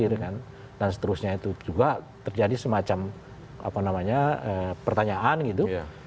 dan seterusnya itu juga terjadi semacam pertanyaan gitu